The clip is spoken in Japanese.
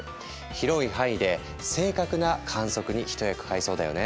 広い範囲で正確な観測に一役買いそうだよね。